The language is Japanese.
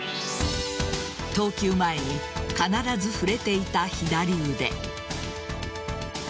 投球前に必ず触れていた左腕。